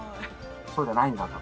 そうじゃないんだと。